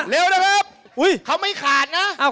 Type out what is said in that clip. เร็วนะครับเขาไม่ขาดนะ